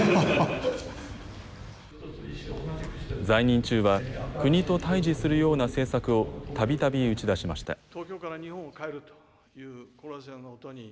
在任中は国と対じするような政策をたびたび打ち出しました。